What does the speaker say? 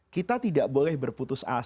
kita tidak boleh berputus asa